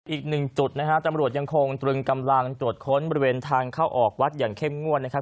อีกหนึ่งจุดนะฮะตำรวจยังคงตรึงกำลังตรวจค้นบริเวณทางเข้าออกวัดอย่างเข้มงวดนะครับ